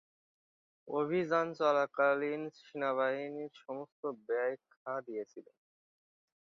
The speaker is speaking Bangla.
অভিযান চলাকালীন সেনাবাহিনীর সমস্ত ব্যয় খাঁ দিয়েছিলেন।